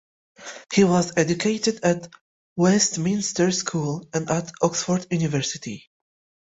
He was educated at Westminster School, and at Oxford University.